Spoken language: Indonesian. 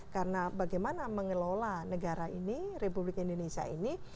karena bagaimana mengelola negara ini republik indonesia ini